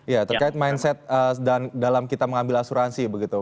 ya terkait mindset dan dalam kita mengambil asuransi begitu